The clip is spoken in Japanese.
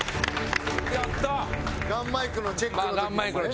ガンマイクのチェックの時ですね。